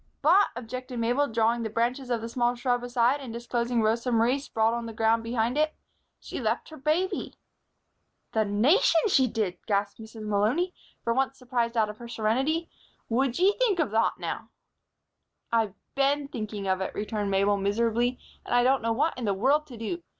"But," objected Mabel, drawing the branches of a small shrub aside and disclosing Rosa Marie sprawling on the ground behind it, "she left her baby." "The Nation, she did!" gasped Mrs. Malony, for once surprised out of her serenity. "Wud ye think of thot, now!" "I've been thinking of it," returned Mabel, miserably. "And I don't know what in the world to do.